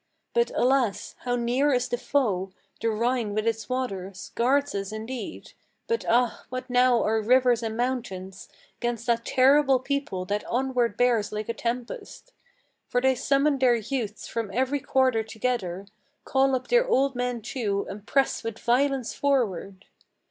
But, alas, how near is the foe! The Rhine with its waters Guards us, indeed; but, ah, what now are rivers and mountains 'Gainst that terrible people that onward bears like a tempest! For they summon their youths from every quarter together, Call up their old men too, and press with violence forward.